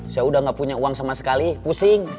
saya udah gak punya uang sama sekali pusing